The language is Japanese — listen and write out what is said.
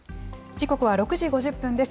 時刻は６時５０分です。